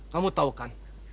kamu tahu kan